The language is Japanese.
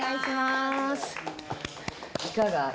いかが？